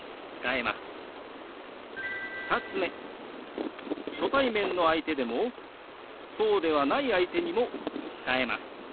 ２つ目初対面の相手でもそうではない相手にも使えます。